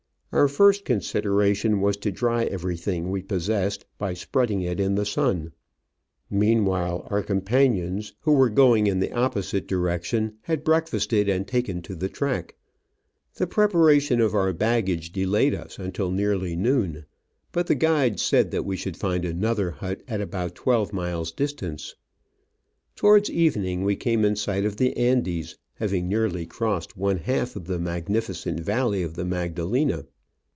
Our first consideration was to dry everything we possessed by spreading it in the sun ; meanwhile our companions, who were going in the opposite direc tion, had breakfasted and taken to the track. The preparation of our baggage delayed us until nearly Digitized by VjOOQIC OF AN Orchid Hunter. 75 noon, but the guides said that we should find another hut at about twelve miles distance. Towards evening we came in sight of the Andes, having nearly crossed one half of the magnificent valley of the Magdalena.